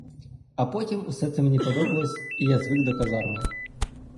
А потім усе це мені подобалось, і я звик до казарми.